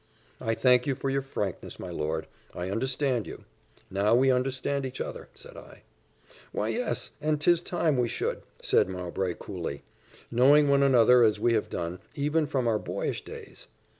"I thank you for your frankness, my lord; I understand you. Now we understand each other," said I. "Why, yes and 'tis time we should," said Mowbray, coolly, "knowing one another, as we have done, even from our boyish days.